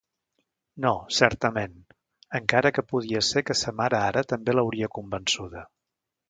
No, certament... encara que podia ser que sa mare ara també l'hauria convençuda!